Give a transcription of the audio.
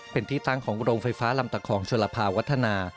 เป็นที่ตั้งของโรงไฟฟ้าลำตะคองชลภาวัฒนา